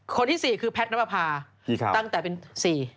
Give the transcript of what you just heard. คนที่สี่คือแพทน้ำภาตั้งแต่เป็นสี่